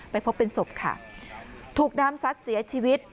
พบเป็นศพค่ะถูกน้ำซัดเสียชีวิต